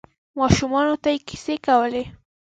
ماشومانو ته یې کیسې کولې.